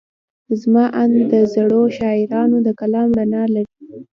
زما اند د زړو شاعرانو د کلام رڼا لري.